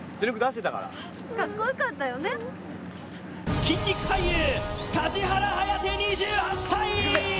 筋肉俳優、梶原颯２８歳。